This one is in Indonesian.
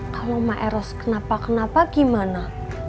kalau mak eros kenapa kenapa gimana